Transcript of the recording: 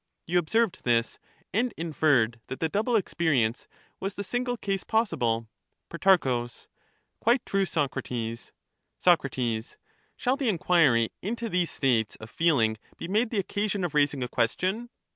You observed this and inferred that the double experience was the single case possible. Pro. Quite true, Socrates. Soc. Shall the enquiry into these states of feeling be made the occasion of raising a question